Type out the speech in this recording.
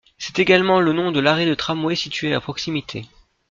C'est également le nom de l'arrêt de tramway situé à proximité.